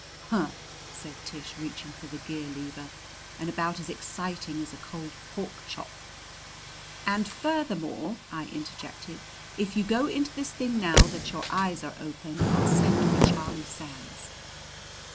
"Huh!" said Tish, reaching for the gear lever. "And about as exciting as a cold pork chop." "And furthermore," I interjected, "if you go into this thing now that your eyes are open, I'll send for Charlie Sands!"